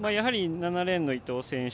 ７レーンの伊東選手